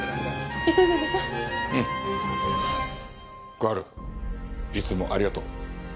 小春いつもありがとう。